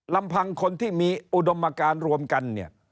ลำพังคนที่มีอุดมการรวมกันเนี่ย